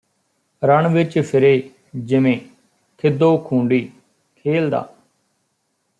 ਰਣ ਵਿੱਚ ਫਿਰੇ ਜਿਵੇਂ ਖਿੱਦੋ ਖੂੰਡੀ ਖ੍ਹੇਲਦਾ